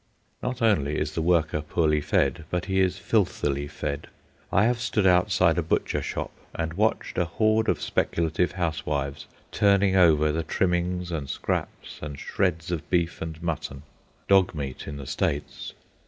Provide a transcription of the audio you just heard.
Not only is the worker poorly fed, but he is filthily fed. I have stood outside a butcher shop and watched a horde of speculative housewives turning over the trimmings and scraps and shreds of beef and mutton—dog meat in the States.